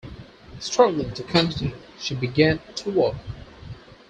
Struggling to continue, she began to walk.